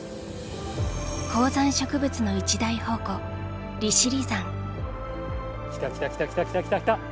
高山植物の一大宝庫来た来た来た来た来た来た来た！